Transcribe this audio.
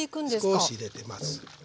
少し入れてます。